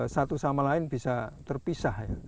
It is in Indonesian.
satu sama lain bisa terpisah ya